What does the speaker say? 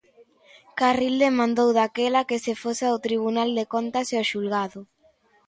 Carril demandou daquela que se fose ao Tribunal de Contas e ao xulgado.